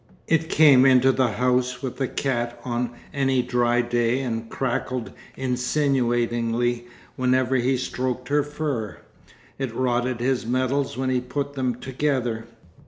It came into the house with the cat on any dry day and crackled insinuatingly whenever he stroked her fur. It rotted his metals when he put them together....